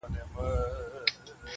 سړي وځي له حسابه په نړۍ کي,